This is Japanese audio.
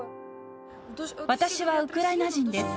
私はウクライナ人です。